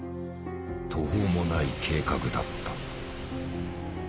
途方もない計画だった。